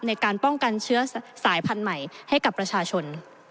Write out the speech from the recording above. ในการป้องกันเชื้อสายพันธุ์ใหม่ให้กับประชาชน